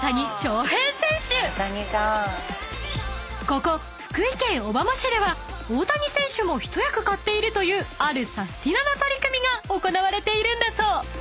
［ここ福井県小浜市では大谷選手も一役買っているというあるサスティなな取り組みが行われているんだそう］